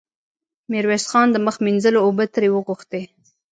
ميرويس خان د مخ مينځلو اوبه ترې وغوښتې.